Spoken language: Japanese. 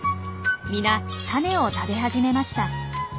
皆タネを食べ始めました。